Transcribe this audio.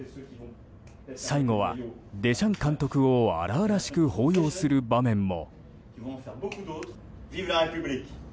最後は、デシャン監督を荒々しく抱擁する場面も。